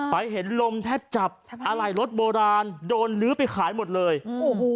เห็นลมแทบจับอะไรรถโบราณโดนลื้อไปขายหมดเลยโอ้โห